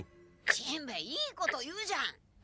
しんべヱいいこと言うじゃん。